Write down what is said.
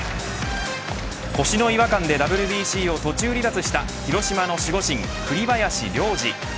腰の違和感でＷＢＣを途中離脱した広島の守護神、栗林良吏。